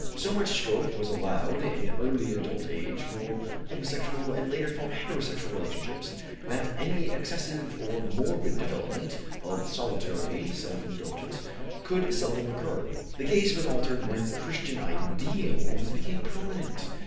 So much scope was allowed in early adult age for homosexual and later for heterosexual relationships that any excessive or morbid development of solitary self indulgence could seldom occur. The case was altered when Christian ideals became prominent.